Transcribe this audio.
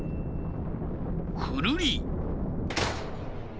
くるり。